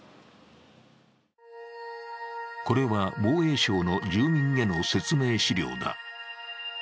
これは防衛省の住民への説明資料だ。